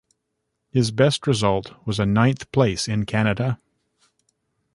His best result was a ninth place in Canada.